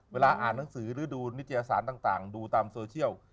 เวลาอ่านหนังสือหรือดูนิตยสารต่างดูตามโซเชียล